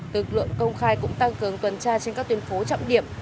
tượng luận công khai cũng tăng cường tuần tra trên các tuyến phố trọng điểm